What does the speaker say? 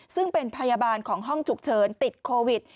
ซึ่งเป็นพยาบาลของห้องฉุกเฉินติดโควิด